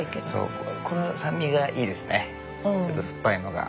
ちょっと酸っぱいのが。